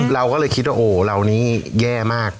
เราก็เลยคิดว่าโอ้เรานี้แย่มาก